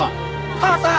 母さん！